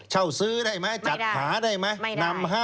เช่าซื้อได้ไหม